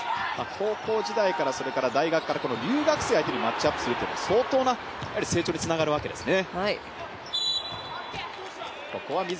高校時代から、それから大学と留学生とマッチアップするというのは相当な成長につながるわけですね。